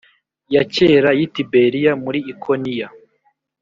ya kera y i Tiberiya muri ikoniya